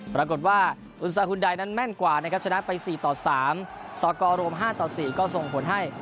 ปรากฏว่าอุตสาหุ่นใดนั้นแม่นกว่านะครับชนะไป๔ต่อ๓สกอร์รวม๕ต่อ๔ก็ส่งผลให้